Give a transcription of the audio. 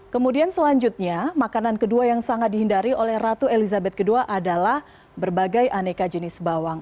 kemudian selanjutnya makanan kedua yang sangat dihindari oleh ratu elizabeth ii adalah berbagai aneka jenis bawang